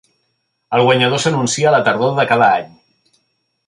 El guanyador s'anuncia a la tardor de cada any.